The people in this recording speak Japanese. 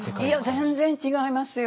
いや全然違いますよ。